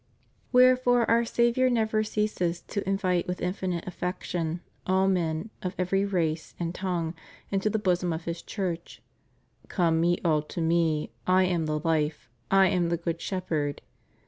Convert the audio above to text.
Wherefore Our Saviour never ceases to in vite, with infinite affection, all men, of every race and tongue, into the bosom of His Church: Come ye all to Me, I am the Life, I am the Good Shepherd.